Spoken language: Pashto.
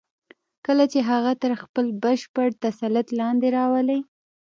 کله چې هغه تر خپل بشپړ تسلط لاندې راولئ.